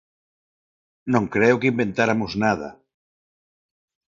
Non creo que inventáramos nada.